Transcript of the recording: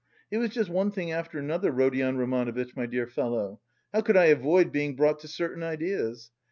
It was just one thing after another, Rodion Romanovitch, my dear fellow! How could I avoid being brought to certain ideas?